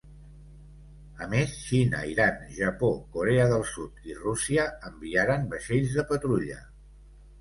A més Xina, Iran, Japó, Corea del Sud i Rússia enviaren vaixells de patrulla.